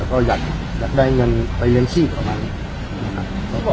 แล้วก็อยากจะได้เงินไปเรียนชีพอมันนะครับ